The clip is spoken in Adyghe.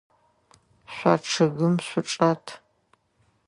Шъо чъыгым шъучӏэт.